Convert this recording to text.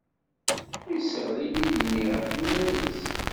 Isseɣli-d igenni ɣef yiman-is.